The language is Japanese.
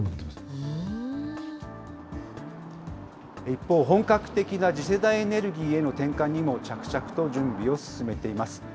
一方、本格的な次世代エネルギーへの転換にも、着々と準備を進めています。